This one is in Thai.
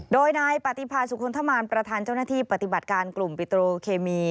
โดยนายปฏิพาสุคลทมานประธานเจ้าหน้าที่ปฏิบัติการกลุ่มปิโตรเคมี